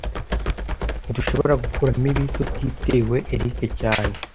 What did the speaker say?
Ntidushobora gukuramo ibi tutiriwe Eric cyane